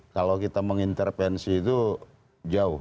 kalau kita mengintervensi itu jauh